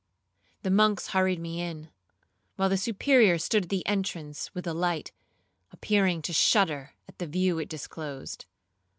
The monks hurried me in, while the Superior stood at the entrance with the light, appearing to shudder at the view it disclosed.